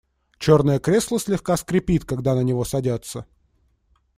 Черное кресло слегка скрипит, когда на него садятся.